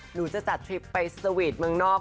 หนูจะจัดทริปไปสวีทเมืองนอก